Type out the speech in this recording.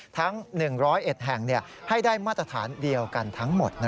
ทั้ง๑๐๑แห่งให้ได้มาตรฐานเดียวกันทั้งหมด